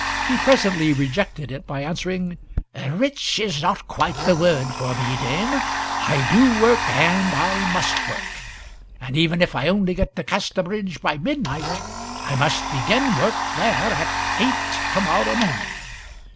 He presently rejected it by answering, "Rich is not quite the word for me, dame. I do work, and I must work. And even if I only get to Casterbridge by midnight I must begin work there at eight to morrow morning.